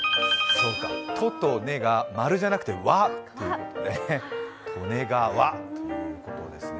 そうか、「と」と「ね」が○じゃなくて、輪ということね。とねが「わ」ということです。